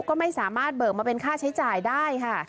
ก็ไม่สามารถเบิกมาเป็นค่าใช้จ่ายได้ค่ะ